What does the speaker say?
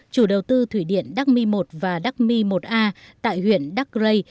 chủ đầu tư thủy điện đắc mi một và đắc mi một a tại huyện đắc rây